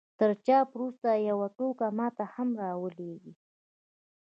تر چاپ وروسته يې يو ټوک ما ته هم را ولېږئ.